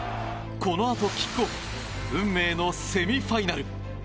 このあとキックオフ運命のセミファイナル。